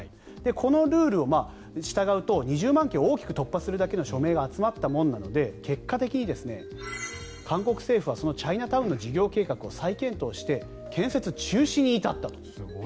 このルールに従うと２０万件を大きく突破するだけの署名が集まったので結果的に韓国政府はそのチャイナタウンの事業計画を再検討して建設中止に至ったと。